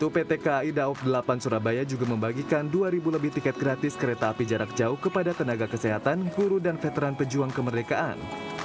pt kai daob delapan surabaya juga membagikan dua lebih tiket gratis kereta api jarak jauh kepada tenaga kesehatan guru dan veteran pejuang kemerdekaan